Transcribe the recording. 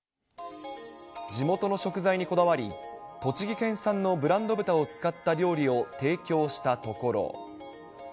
地元の食材にこだわり、栃木県産のブランド豚を使った料理を提供したところ。